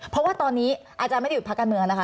เพราะว่าตอนนี้อาจารย์ไม่ได้หยุดพักการเมืองนะคะ